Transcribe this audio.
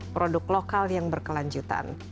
produk lokal yang berkelanjutan